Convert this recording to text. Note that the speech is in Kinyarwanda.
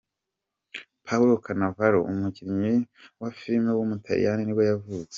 Paolo Cannavaro, umukinnyi wa filime w’umutaliyani nibwo yavutse.